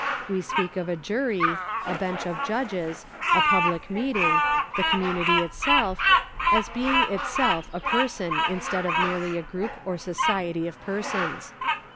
We speak of a jury, a bench of judges, a public meeting, the community itself, as being itself a person instead of merely a group or society of persons.